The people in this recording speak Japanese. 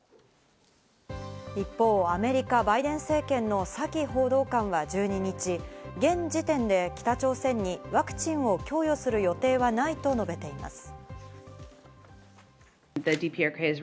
一方、アメリカ・バイデン政権のサキ報道官は１２日、現時点で北朝鮮にワクチンを供与する予定はないと述べています。